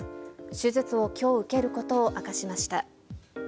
手術をきょう受けることを明かしました。